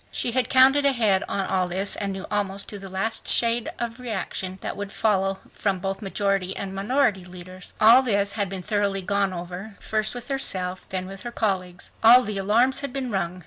She had counted ahead on all this and knew almost to the last shade the reaction that would follow from both majority and minority leaders. All this had been thoroughly gone over, first with herself, then with her colleagues. All the "alarms" had been rung.